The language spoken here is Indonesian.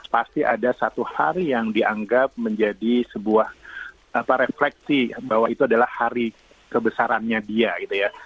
pasti ada satu hari yang dianggap menjadi sebuah refleksi bahwa itu adalah hari kebesarannya dia gitu ya